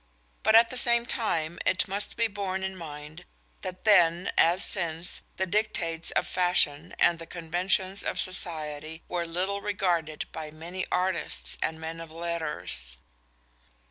But at the same time it must be borne in mind that then, as since, the dictates of fashion and the conventions of society were little regarded by many artists and men of letters.